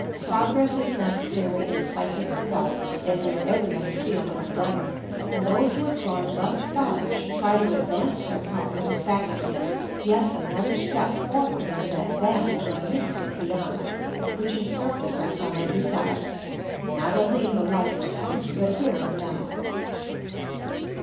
Progress is necessary in psychic development as in every other field of endeavour, and those who have gone thus far should try to advance their powers and faculties yet an other step forward into that vast and mystic beyond which encircles us on every side — not only in the life to come but here and now.